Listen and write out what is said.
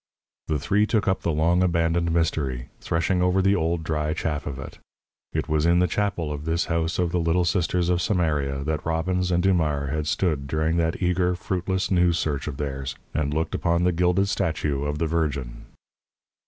The three took up the long abandoned mystery, threshing over the old, dry chaff of it. It was in the chapel of this house of the Little Sisters of Samaria that Robbins and Dumars had stood during that eager, fruitless news search of theirs, and looked upon the gilded statue of the Virgin.